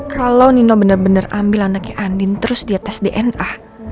kalau nino benar benar ambil anaknya andin terus dia tes dna